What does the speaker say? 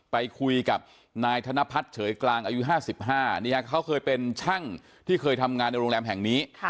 ไปคุยกับนายธนพัฒน์เฉยกลางอายุ๕๕เขาเคยเป็นช่างที่เคยทำงานในโรงแรมแห่งนี้